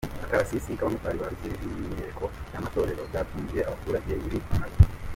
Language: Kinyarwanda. Akarasisi k’abamotari ba Rusizi n’imyiyereko y’amatorero byatunguye abaturage burira amazu.